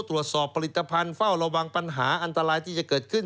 ตรวจสอบผลิตภัณฑ์เฝ้าระวังปัญหาอันตรายที่จะเกิดขึ้น